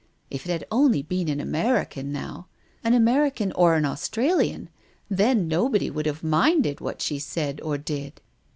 If it had only been an American, now. An American or an Australian — and nobody would have minded what she said or did."